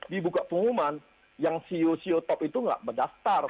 dibuka pengumuman yang ceo ceo top itu nggak mendaftar